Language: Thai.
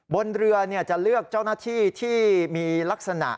บนเรือจะเลือกเจ้าหน้าที่ที่มีลักษณะ